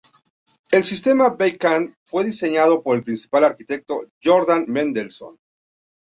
El sistema back-end fue diseñado por el principal arquitecto, Jordan Mendelson.